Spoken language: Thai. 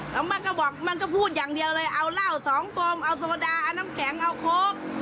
แล้วมันก็บอกมันก็พูดอย่างเดียวเลยเอาเหล้าสองกลมเอาโซดาเอาน้ำแข็งเอาโค้ก